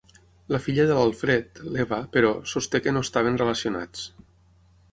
La filla de l'Alfred, l'Eva, però, sosté que no estaven relacionats.